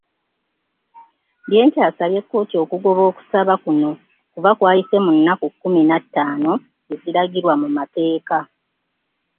Byenkya asabye kkooti okugoba okusaba kuno kuba kwayise mu nnaku kkumi na ttaano eziragirwa mu mateeka.